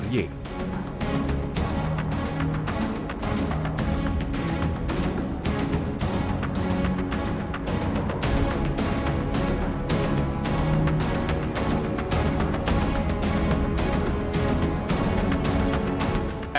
fs menembak brigadir y